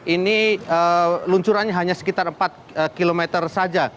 ini luncurannya hanya sekitar empat km saja